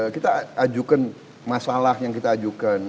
kita ajukan masalah yang kita ajukan